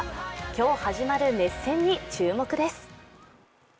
今日始まる熱戦に注目です。